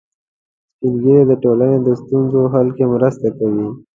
سپین ږیری د ټولنې د ستونزو حل کې مرسته کوي